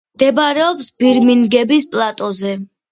მდებარეობს ბირმინგემის პლატოზე.